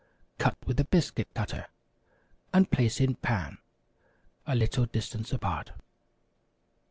Cut with a biscuit cutter, and place in pan, a little distance apart.